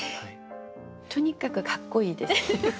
とにかくかっこいいです。